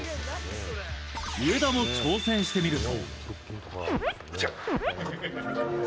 上田も挑戦してみると。